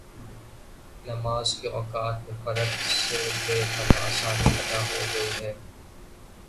نمازکے اوقات میں فرق سے بے پناہ آسانی پیدا ہوگئی ہے۔